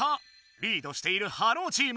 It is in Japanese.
リードしているハローチーム。